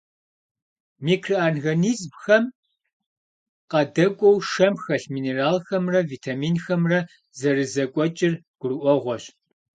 Микроорганизмхэм къадэкӀуэу, шэм хэлъ минералхэмрэ витаминхэмрэ зэрызэкӀуэкӀыр гурыӀуэгъуэщ.